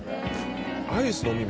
アイスの実